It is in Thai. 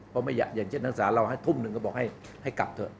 เพราะอย่างเช่นนักศาลเราให้ทุ่มหนึ่งก็บอกให้กลับเถอะ